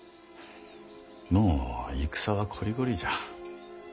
もう戦はこりごりじゃ。